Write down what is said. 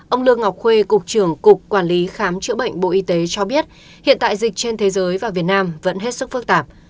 ông lương ngọc khuê cục trưởng cục quản lý khám chữa bệnh bộ y tế cho biết hiện tại dịch trên thế giới và việt nam vẫn hết sức phức tạp